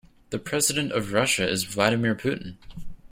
The president of Russia is Vladimir Putin.